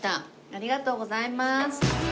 ありがとうございます。